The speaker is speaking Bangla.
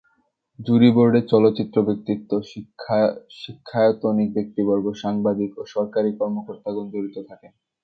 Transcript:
জুরি বোর্ডে চলচ্চিত্র ব্যক্তিত্ব, শিক্ষায়তনিক ব্যক্তিবর্গ, সাংবাদিক ও সরকারি কর্মকর্তাগণ জড়িত থাকেন।